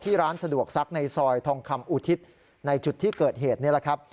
ร้านสะดวกซักในซอยทองคำอุทิศในจุดที่เกิดเหตุนี่แหละครับ